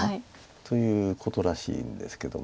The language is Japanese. ということらしいんですけども。